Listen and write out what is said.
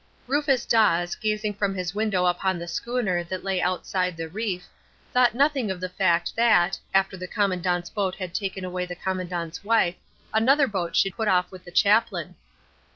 Rufus Dawes, gazing from his window upon the schooner that lay outside the reef, thought nothing of the fact that, after the Commandant's boat had taken away the Commandant's wife another boat should put off with the chaplain.